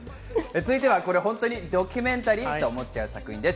続いてはドキュメンタリーと思っちゃう作品です。